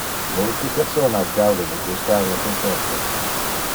Multe personas gaude de gustar le conservas.